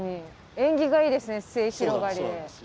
縁起がいいですね末広がりで。